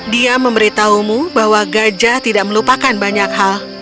dia memberitahumu bahwa gajah tidak melupakan banyak hal